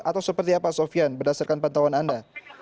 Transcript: atau seperti apa sofian berdasarkan pantauan anda